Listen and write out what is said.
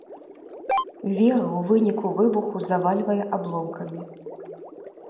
Веру ў выніку выбуху завальвае абломкамі.